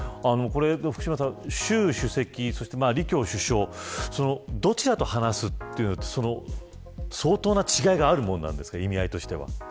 福島さん、習主席そして李強首相どちらと話すかというのって相当な違いがあるものなんですか意味合いとしては。